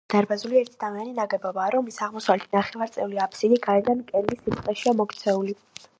ეკლესია დარბაზული, ერთნავიანი ნაგებობაა, რომლის აღმოსავლეთი ნახევარწრიული აფსიდი გარედან კედლის სიბრტყეშია მოქცეული.